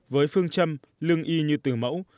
với phương châm lương y như từ mẫu